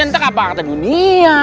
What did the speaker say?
entah kata dunia